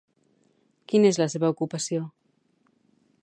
Quina és la seva ocupació?